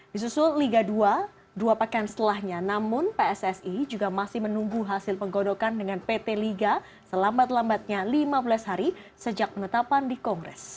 disusul liga dua dua pekan setelahnya namun pssi juga masih menunggu hasil penggodokan dengan pt liga selambat lambatnya lima belas hari sejak penetapan di kongres